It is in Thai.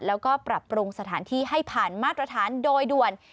แล้วก็ปรับปรุงสถานที่ให้ผ่านมาตรฐานโดยด่วน